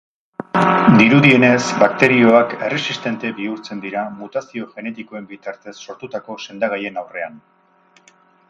Dirudienez, bakterioak erresistente bihurtzen dira mutazio genetikoen bitartez sortutako sendagaien aurrean.